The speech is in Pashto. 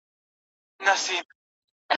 کال په کال یې زیاتېدل مځکي باغونه